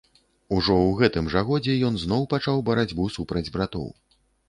Ужо ў гэтым жа годзе ён зноў пачаў барацьбу супраць братоў.